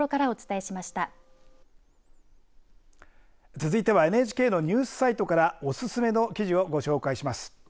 続いてはＮＨＫのニュースサイトからおすすめの記事をご紹介します。